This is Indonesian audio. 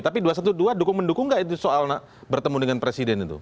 tapi dua ratus dua belas dukung mendukung nggak itu soal bertemu dengan presiden itu